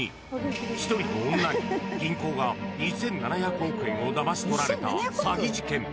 １人の女に銀行が２７００億円をだまし取られた詐欺事件。